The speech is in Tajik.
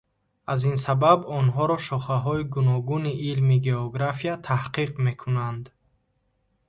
Аз ин сабаб онҳоро шохаҳои гуногуни илми география таҳқиқ мекунанд.